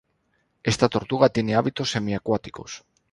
Esta tortuga tiene hábitos semiacuáticos.